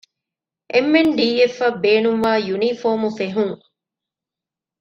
އެމް.އެން.ޑީ.އެފްއަށް ބޭނުންވާ ޔުނީފޯމު ފެހުން